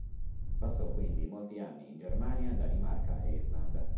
Passò quindi molti anni in Germania, Danimarca e Islanda.